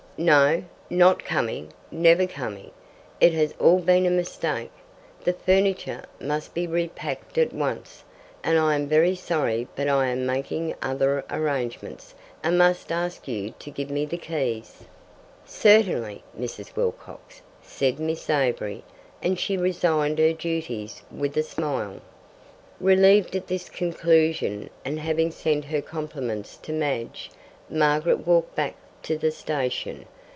"No. Not coming. Never coming. It has all been a mistake. The furniture must be repacked at once, and I am very sorry but I am making other arrangements, and must ask you to give me the keys." "Certainly, Mrs. Wilcox," said Miss Avery, and resigned her duties with a smile. Relieved at this conclusion, and having sent her compliments to Madge, Margaret walked back to the station.